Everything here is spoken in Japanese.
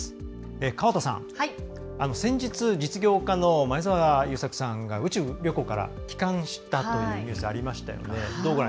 川田さん、先日、実業家の前澤友作さんが宇宙旅行から帰還したというニュースありましたよね。